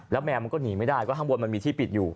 แล้วแมวมันก็หนีไม่ได้เพราะข้างบนมันมีที่ปิดอยู่